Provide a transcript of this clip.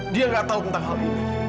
dia gak tau tentang hal ini